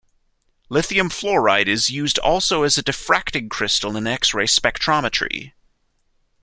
Lithium fluoride is used also as a diffracting crystal in X-ray spectrometry.